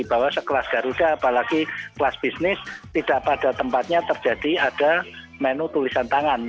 bahwa sekelas garuda apalagi kelas bisnis tidak pada tempatnya terjadi ada menu tulisan tangan